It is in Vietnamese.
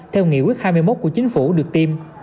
theo nghị quyết hai mươi một của chính phủ được tiêm